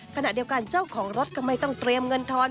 ขณะเดียวกันเจ้าของรถก็ไม่ต้องเตรียมเงินทอน